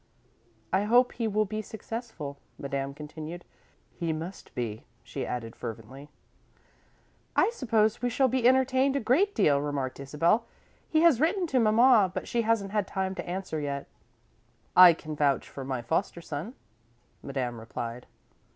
"I hope he will be successful," Madame continued. "He must be," she added, fervently. "I suppose we shall be entertained a great deal," remarked Isabel. "He has written to Mamma, but she hasn't had time to answer yet." "I can vouch for my foster son," Madame replied.